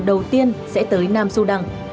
đầu tiên sẽ tới nam sudan